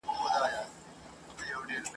ځو به چي د شمعي پر لار تلل زده کړو ..